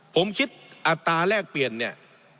ผมคิดอัตราแรกเปลี่ยนเนี่ย